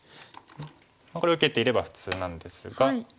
これ受けていれば普通なんですが。